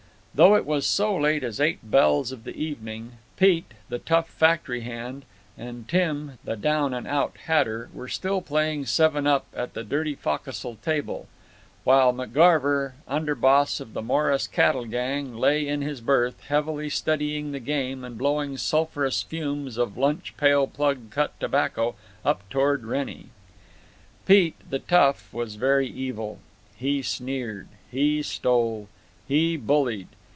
Though it was so late as eight bells of the evening, Pete, the tough factory hand, and Tim, the down and out hatter, were still playing seven up at the dirty fo'c'sle table, while McGarver, under boss of the Morris cattle gang, lay in his berth, heavily studying the game and blowing sulphurous fumes of Lunch Pail Plug Cut tobacco up toward Wrennie. Pete, the tough, was very evil. He sneered. He stole. He bullied.